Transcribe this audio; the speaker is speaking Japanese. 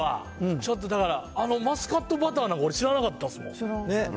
ちょっと、だから、あのマスカットバターなんか、俺、知らなかったですもん。